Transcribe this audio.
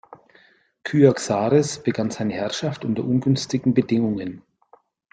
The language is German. Kyaxares begann seine Herrschaft unter ungünstigen Bedingungen.